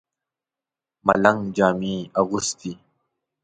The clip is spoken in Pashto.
ملنګ جامې اغوستې.